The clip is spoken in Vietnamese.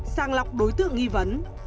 sang lọc đối tượng nghi vấn